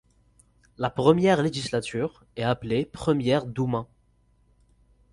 La première législature est appelée Première Douma.